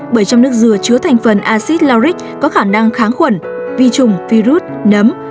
bởi trong nước dừa chứa thành phần acid laric có khả năng kháng khuẩn vi trùng virus nấm